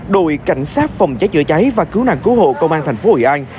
đội cảnh sát phòng cháy chữa cháy và cứu nạn cứu hộ công an thành phố hội an